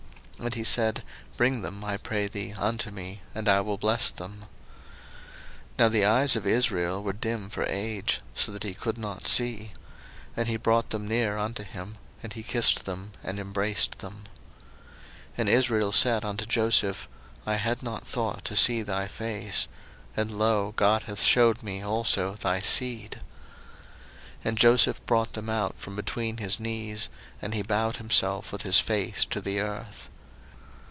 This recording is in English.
And he said, Bring them, I pray thee, unto me, and I will bless them. 01:048:010 Now the eyes of Israel were dim for age, so that he could not see. And he brought them near unto him; and he kissed them, and embraced them. 01:048:011 And Israel said unto Joseph, I had not thought to see thy face: and, lo, God hath shewed me also thy seed. 01:048:012 And Joseph brought them out from between his knees, and he bowed himself with his face to the earth.